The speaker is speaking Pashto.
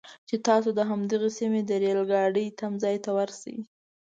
چې تاسو د همدغې سیمې د ریل ګاډي تمځي ته ورشئ.